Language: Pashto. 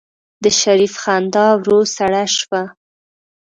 د شريف خندا ورو سړه شوه.